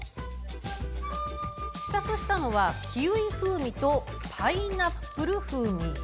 試作したのはキウイ風味とパイナップル風味。